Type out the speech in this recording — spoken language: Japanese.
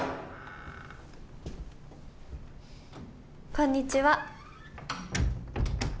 ・こんにちは。